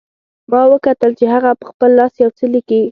ما وکتل چې هغه په خپل لاس یو څه لیکي